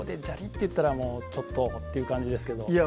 ッていったらもうちょっとっていう感じですけどいや